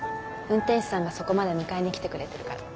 運転手さんがそこまで迎えに来てくれてるから。